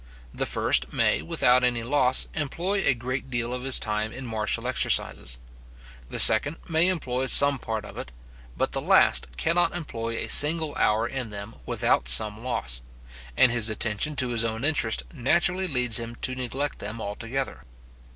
The first may, without any loss, employ a great deal of his time in martial exercises; the second may employ some part of it; but the last cannot employ a single hour in them without some loss, and his attention to his own interest naturally leads him to neglect them altogether.